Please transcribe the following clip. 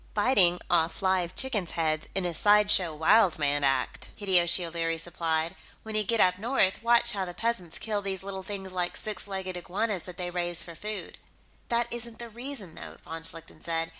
"Biting off live chickens' heads, in a sideshow wild man act," Hideyoshi O'Leary supplied. "When you get up north, watch how the peasants kill these little things like six legged iguanas that they raise for food." "That isn't the reason, though," von Schlichten said.